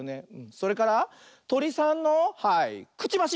それからトリさんのはいくちばし！